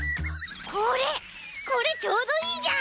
これこれちょうどいいじゃん！